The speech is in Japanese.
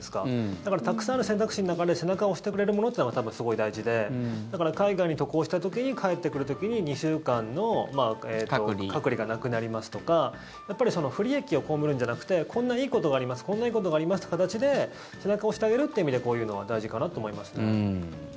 だからたくさんある選択肢の中で背中を押してくれるものってのが多分、すごい大事でだから、海外に渡航した時に帰ってくる時に２週間の隔離がなくなりますとかやっぱり不利益を被るんじゃなくてこんないいことがありますって形で背中を押してあげるって意味でこういうのは大事かなと思いますね。